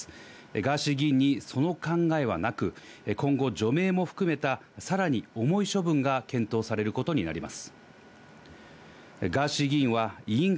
ガーシー議員にその考えはなく、今後、除名も含めた、さらに重い処分が検討されることになります。